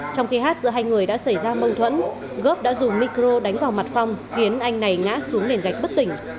trong khi hát giữa hai người đã xảy ra mâu thuẫn gốc đã dùng micro đánh vào mặt phong khiến anh này ngã xuống nền gạch bất tỉnh